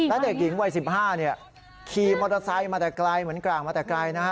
แล้วเด็กหญิงวัยสิบห้าเนี่ยขี่มอเตอร์ไซต์มาแต่ไกลเหมือนกล่างมาแต่ไกลนะฮะ